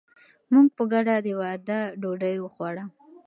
موږ په ګډه د واده ډوډۍ وخوړه.